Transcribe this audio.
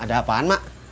ada apaan emak